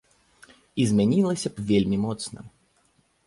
І змянілася б вельмі моцна.